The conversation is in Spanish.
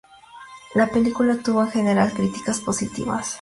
La película tuvo en general críticas positivas.